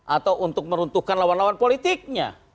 atau untuk meruntuhkan lawan lawan politiknya